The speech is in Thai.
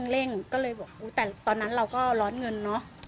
เร่งก็เลยบอกแต่ตอนนั้นเราก็ร้อนเงินเนอะ